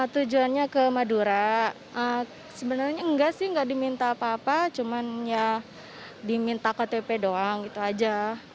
tujuannya ke madura sebenarnya nggak sih nggak diminta apa apa cuman ya diminta ke tpp doang gitu aja